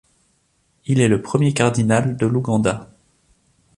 Il est le premier cardinal de l'Ouganda.